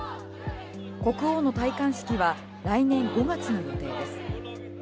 国王の戴冠式は来年５月の予定です。